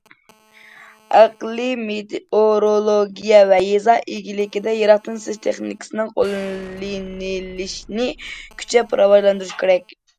ئەقلىي مېتېئورولوگىيە ۋە يېزا ئىگىلىكىدە يىراقتىن سېزىش تېخنىكىسىنىڭ قوللىنىلىشىنى كۈچەپ راۋاجلاندۇرۇش كېرەك.